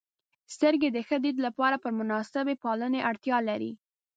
• سترګې د ښه دید لپاره پر مناسبې پالنې اړتیا لري.